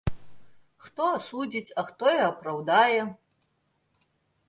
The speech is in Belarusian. Хто асудзіць, а хто і апраўдае.